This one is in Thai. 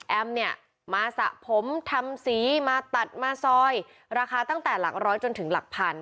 เนี่ยมาสระผมทำสีมาตัดมาซอยราคาตั้งแต่หลักร้อยจนถึงหลักพัน